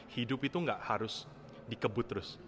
hidup itu nggak harus dikebut terus